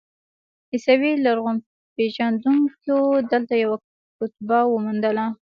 عیسوي لرغونپېژندونکو دلته یوه کتیبه وموندله.